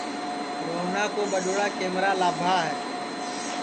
روہنا کُو ٻڈؔوڑا کمرا لابھا ہے